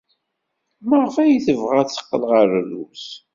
Maɣef ay tebɣa ad teqqel ɣer Rrus?